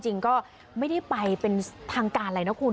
จริงก็ไม่ได้ไปเป็นทางการอะไรนะคุณ